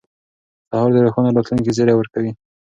سهار د روښانه راتلونکي زیری ورکوي.